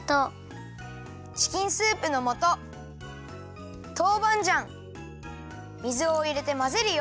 チキンスープのもとトウバンジャン水をいれてまぜるよ。